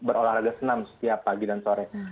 berolahraga senam setiap pagi dan sore